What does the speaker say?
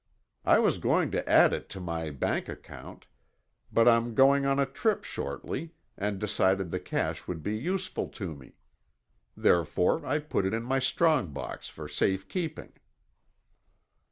I was going to add it to my bank account, but I'm going on a trip shortly and decided the cash would be useful to me. Therefore I put it in my strong box for safe keeping."